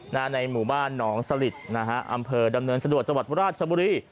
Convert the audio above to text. ในหมู่บ้านหนองสลิดนะฮะอำเภอดำเนินสะดวกจังหวัดราชบุรี